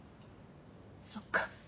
そっか。